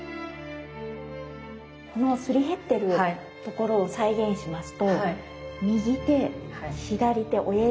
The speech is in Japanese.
このすり減ってるところを再現しますと右手左手親指